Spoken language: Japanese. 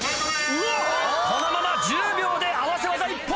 このまま１０秒で合わせ技一本。